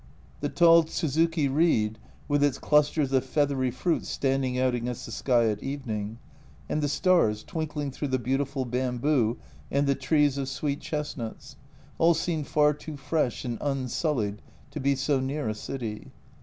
The tall tsuzuki reed, with its clusters of feathery fruits standing out against the sky at evening, and the stars twinkling through the beautiful bamboo and the trees of sweet chestnuts, all seemed far too fresh and unsullied to be so near a city.